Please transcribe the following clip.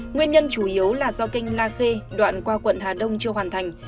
nguyên nhân chủ yếu là do kênh la khê đoạn qua quận hà đông chưa hoàn thành